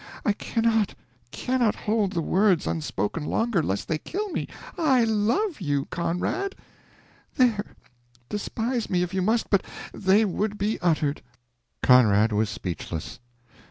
I cannot cannot hold the words unspoken longer, lest they kill me I LOVE you, CONRAD! There, despise me if you must, but they would be uttered!" Conrad was speechless.